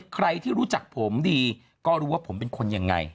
ใครที่รู้จักผมดีก็รู้ว่าผมเป็นคนยังไง